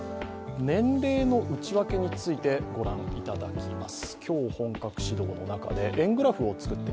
年齢の内訳について御覧いただきます。